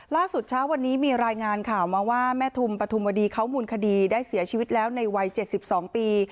เช้าวันนี้มีรายงานข่าวมาว่าแม่ทุมปฐุมวดีเขามูลคดีได้เสียชีวิตแล้วในวัย๗๒ปี